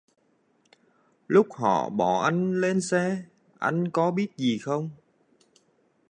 Lúc họ bỏ anh lên xe anh có biết gì không